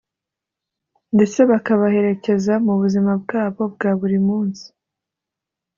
ndetse bakabaherekeza mu buzima bwabo bwa buri munsi”